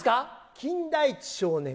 金田一少年。